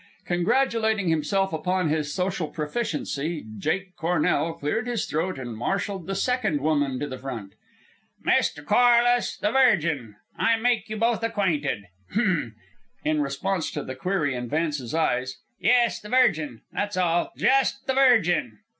Congratulating himself upon his social proficiency, Jake Cornell cleared his throat and marshalled the second woman to the front. "Mr. Corliss, the Virgin; I make you both acquainted. Hem!" in response to the query in Vance's eyes "Yes, the Virgin. That's all, just the Virgin."